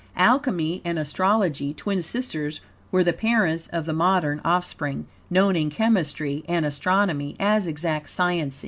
Alchemy and astrology twin sisters were the parents of the modern offspring, known in chemistry and astronomy as exact science.